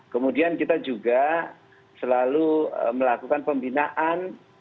kemudian kita juga selalu melakukan pembinaan